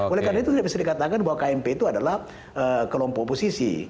oleh karena itu tidak bisa dikatakan bahwa kmp itu adalah kelompok oposisi